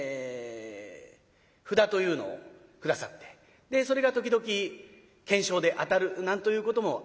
札というのを下さってそれが時々懸賞で当たるなんということもあったようでございます。